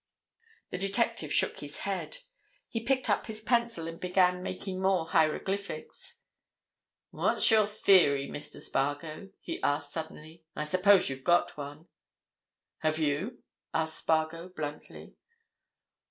The detective shook his head. He picked up his pencil and began making more hieroglyphics. "What's your theory, Mr. Spargo?" he asked suddenly. "I suppose you've got one." "Have you?" asked Spargo, bluntly.